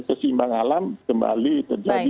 keseimbangan alam kembali terjadi